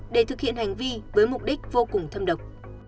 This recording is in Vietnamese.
để thực hiện hành vi với mục đích vô cùng thâm độc